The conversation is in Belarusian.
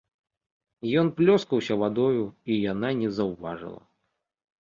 Ён плёскаўся вадою, і яна не заўважыла.